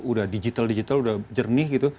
udah digital digital udah jernih gitu